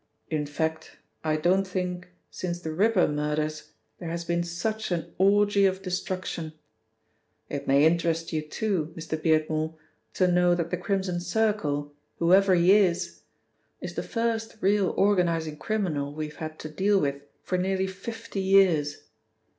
In fact, I don't think since the Ripper murders there has been such an orgy of destruction. It may interest you, too, Mr. Beardmore, to know that the Crimson Circle, whoever he is, is the first real organising criminal we have had to deal with for nearly fifty years.